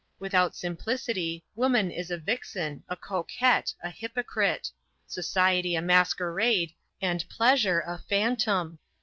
Without simplicity, woman is a vixen, a coquette, a hypocrite; society a masquerade, and pleasure a phantom.